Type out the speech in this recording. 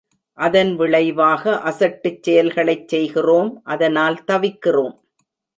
அதன் விளைவாக அசட்டுச் செயல்களைச் செய்கிறோம் அதனால் தவிக்கிறோம்.